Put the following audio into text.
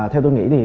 theo tôi nghĩ